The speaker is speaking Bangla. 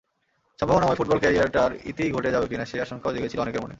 সম্ভাবনাময় ফুটবল ক্যারিয়ারটার ইতিই ঘটে যাবে কিনা, সেই আশঙ্কাও জেগেছিল অনেকের মনে।